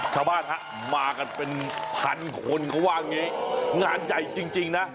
ชาวบ้านฮะมากันเป็นพันคนเขาว่างี้งานใหญ่จริงนะ